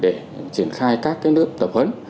để triển khai các cái nước tập hấn